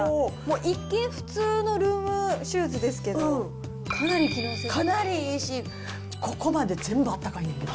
一見、普通のルームシューズかなりいいし、ここまで全部暖かいねんな。